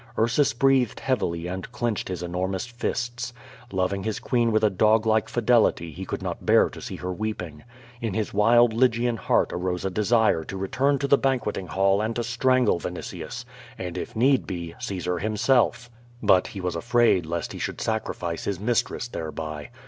Ursus breathed heavily and clinched his enormous fists. Loving his queen with a doglike fidelity he could not bear to see her weeping. In his wild Lygian heart arose a desire to return to the ban queting hall and to strangle Vinitius, and, if need be, Caesar himself; but he was afraid lest he should sacrifice his mis tress thereby.